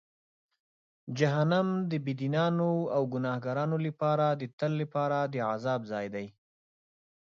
جهنم د بېدینانو او ګناهکارانو لپاره د تل لپاره د عذاب ځای دی.